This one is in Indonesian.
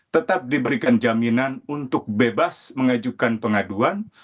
tetap diberikan jaminan untuk bebas mengajukan pengaduan